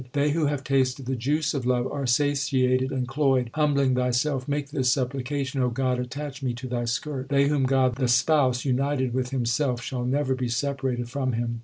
They who have tasted the juice of love are satiated and cloyed. Humbling thyself make this supplication, O God, attach me to Thy skirt ! They whom God the Spouse united with Himself shall never be separated from Him.